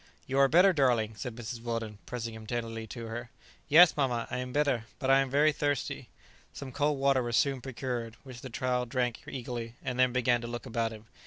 "You are better, darling!" said Mrs. Weldon, pressing him tenderly to her. "Yes, mamma, I am better; but I am very thirsty." Some cold water was soon procured, which the child drank eagerly, and then began to look about him.